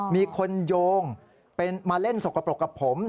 มีคนโยงมาเล่นสกปรกกับผม